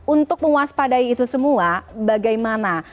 untuk mewaspadai itu semua bagaimana